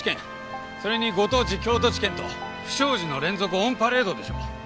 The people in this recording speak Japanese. それにご当地京都地検と不祥事の連続オンパレードでしょ？